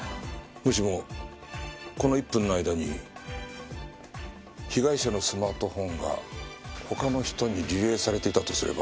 もしもこの１分の間に被害者のスマートフォンが他の人にリレーされていたとすれば。